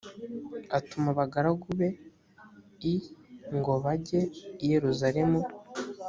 atuma abagaragu be l ngo bajye i yeluzalemu